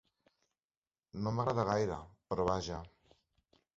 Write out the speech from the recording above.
No m'agrada gaire, però vaja...